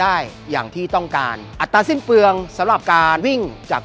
ได้อย่างที่ต้องการอัตราสิ้นเปลืองสำหรับการวิ่งจาก